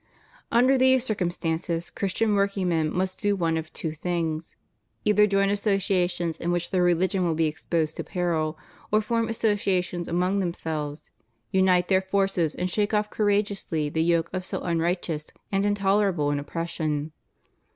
Under these circumstances Christian workingmen must do one of two things: either join associations in which their religion will be exposed to peril, or form associations among them selves— unite their forces and shake off courageously the yoke of so unrighteous and intolerable an oppression.